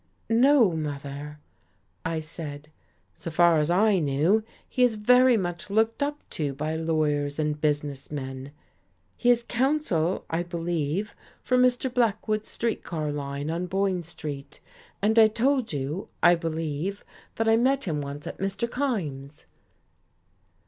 "No, mother," I said. "So far as I knew, he is very much looked up to by lawyers and business men. He is counsel, I believe, for Mr. Blackwood's street car line on Boyne Street. And I told you, I believe, that I met him once at Mr. Kyme's."